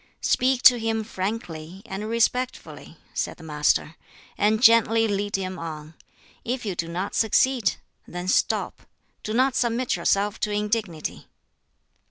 "Speak to him frankly, and respectfully," said the Master, "and gently lead him on. If you do not succeed, then stop; do not submit yourself to indignity."